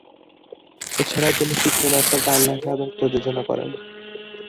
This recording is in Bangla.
এছাড়াও তিনি চিত্রনাট্য, গান লেখা এবং প্রযোজনা করেন।